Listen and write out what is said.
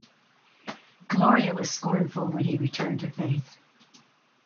Gloria was scornful when he returned to Faith.